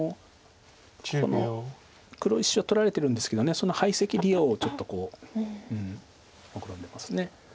黒石を取られてるんですけど配石利用をちょっともくろんでます。